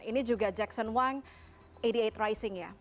ini juga jackson wang delapan puluh delapan rising ya